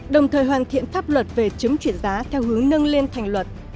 đồng thời hoàn thiện pháp luật về chấm chuyển giá theo hướng nâng lên thành luật